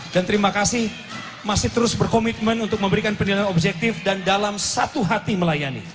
dan terima kasih masih terus berkomitmen untuk memberikan penilaian objektif dan dalam satu hati melayani